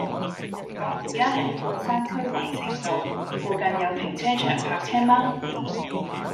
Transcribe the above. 我依家喺半山區衛城道，附近有停車場泊車嗎